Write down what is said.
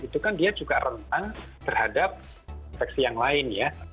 itu kan dia juga rentan terhadap infeksi yang lain ya